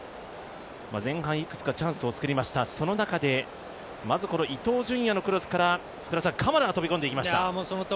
前半いくつかチャンスを作りました、その中で伊東純也のクロスから鎌田が飛び込んでいきました。